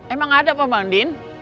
emang ada pak bandin